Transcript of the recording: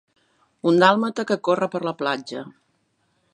Un dàlmata que corre per la platja